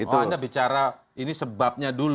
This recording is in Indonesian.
anda bicara ini sebabnya dulu